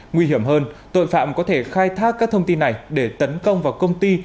nguy hiểm hơn tội phạm có thể khai thác các thông tin này để tấn công vào công ty